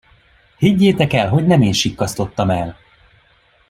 Higgyétek el, hogy nem én sikkasztottam el.